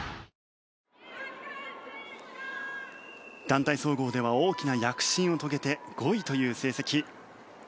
団体総合では大きな躍進を遂げて５位という成績。